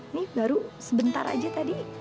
ini baru sebentar aja tadi